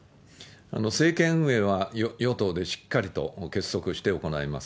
政権運営は与党でしっかりと結束して行います。